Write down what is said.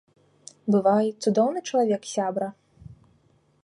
Бывай, цудоўны чалавек сябра.